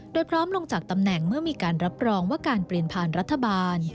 โดยพร้อมลงจากตำแหน่งเมื่อมีการรับรองว่าการเปลี่ยนผ่านรัฐบาล